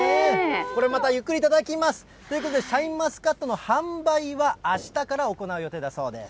これまたゆっくり頂きます。ということで、シャインマスカットの販売は、あしたから行う予定だそうです。